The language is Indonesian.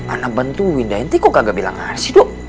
anak bantu widu kok gak bilang harus sih dok